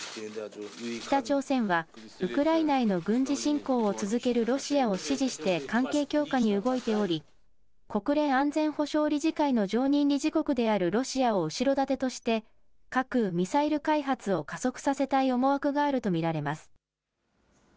北朝鮮は、ウクライナへの軍事侵攻を続けるロシアを支持して関係強化に動いており、国連安全保障理事会の常任理事国であるロシアを後ろ盾として、核・ミサイル開発を加速させたい思惑があると見られます。